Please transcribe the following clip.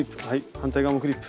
反対側もクリップ。